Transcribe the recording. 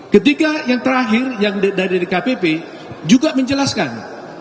ketika yang terakhir yang dari dkpp juga menjelaskan